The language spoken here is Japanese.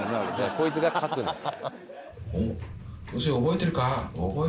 こいつが書くんです。